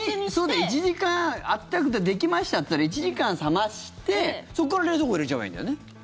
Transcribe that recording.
温かくてできましたっていったら１時間冷ましてそこから冷蔵庫に入れちゃえばいいんだよね？